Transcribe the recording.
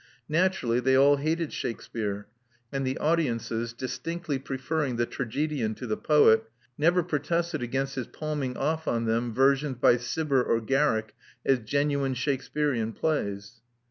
Naturally, they all hated Shakspere; and the audiences distinctly preferring the tragedian to the poet, never protested against his palming of on them versions by Gibber or Garrick as genuine Shak sperean plays.